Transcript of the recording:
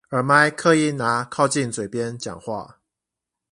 耳麥刻意拿靠近嘴邊講話